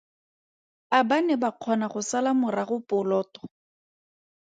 A ba ne ba kgona go sala morago poloto?